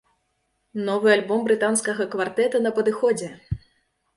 Новы альбом брытанскага квартэта на падыходзе!